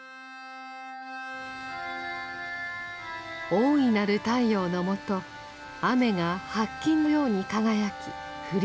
大いなる太陽のもと雨が白金のように輝き降り注ぐ。